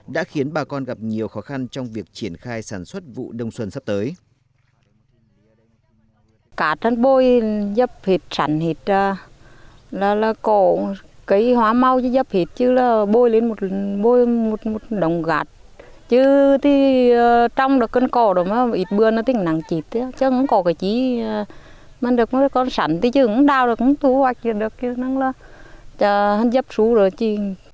đã khiến bà con gặp nhiều khó khăn trong việc triển khai sản xuất vụ đông xuân sắp tới